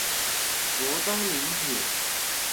羅東林鐵